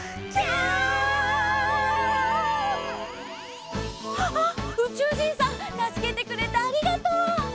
「あ、うちゅうじんさんたすけてくれてありがとう」